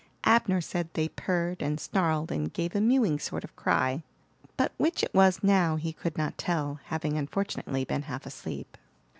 Abner said they purred and snarled and gave a mewing sort of cry; but which it was now he could not tell, having unfortunately been half asleep.